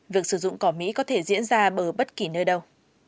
việc sử dụng cỏ mỹ có thể diễn ra ở bất kỳ nơi đâu